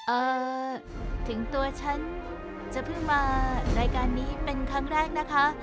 เอ่อถึงตัวฉันจะเพิ่งมารายการนี้เป็นครั้งแรกนะคะ